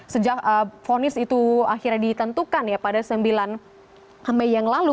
sejak vonis itu akhirnya ditentukan ya pada sembilan mei yang lalu